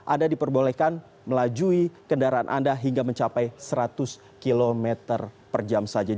anda diperbolehkan melajui kendaraan anda hingga mencapai seratus km per jam saja